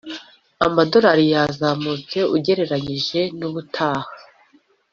Amadolari yazamutse ugereranyije nubutaha